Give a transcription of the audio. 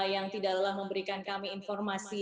yang tidak lelah memberikan kami informasi